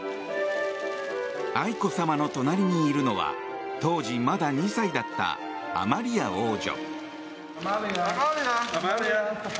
愛子さまの隣にいるのは当時まだ２歳だったアマリア王女。